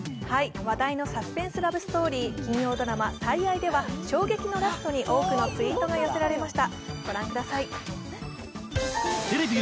話題のサスペンスラブストーリー、金曜ドラマ「最愛」では、衝撃のラストに多くのツイートが寄せられました。